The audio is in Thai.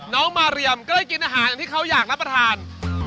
น้องมาเรียมก็เลยกินอาหารที่เขาอยากรับประทาน